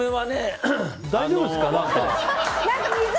大丈夫ですか？